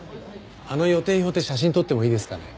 あの予定表って写真撮ってもいいですかね？